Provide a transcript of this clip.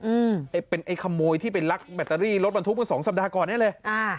ไอ้เป็นไอ้ขโมยที่ไปลักแบตเตอรี่รถบรรทุกเมื่อสองสัปดาห์ก่อนเนี้ยเลยอ่า